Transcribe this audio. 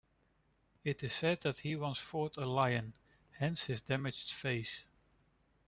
It is said that he once fought a lion, hence his damaged face.